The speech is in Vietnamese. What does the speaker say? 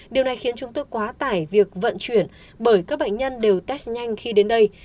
điều này khiến chúng tôi quá tải việc vận chuyển bởi các bệnh nhân đều test nhanh khi đến đây